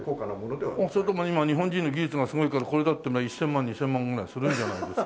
それでも今日本人の技術がすごいからこれだって１千万２千万ぐらいするんじゃないですか？